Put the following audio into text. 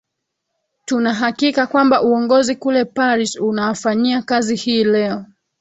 tunahakika kwamba uongozi kule paris unawafanyia kazi hii leo